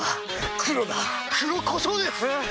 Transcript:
黒コショウです！